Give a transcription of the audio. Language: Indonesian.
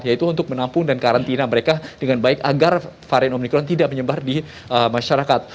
yaitu untuk menampung dan karantina mereka dengan baik agar varian omikron tidak menyebar di masyarakat